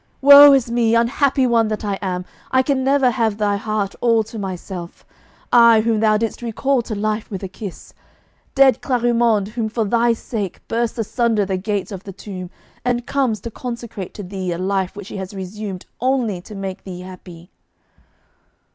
'Woe is me, unhappy one that I am! I can never have thy heart all to myself, I whom thou didst recall to life with a kiss dead Clarimonde, who for thy sake bursts asunder the gates of the tomb, and comes to consecrate to thee a life which she has resumed only to make thee happy!